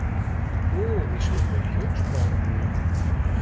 Oh, wie schön der Kirschbaum blüht.